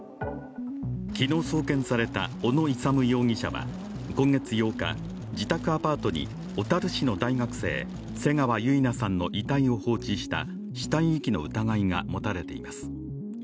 昨日送検された小野勇容疑者は今月８日、自宅アパートに小樽市の大学生・瀬川結菜さんの遺体を放置した死体遺棄の疑いが持たれています。